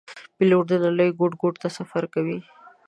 پیلوټ د نړۍ ګوټ ګوټ ته سفر کوي.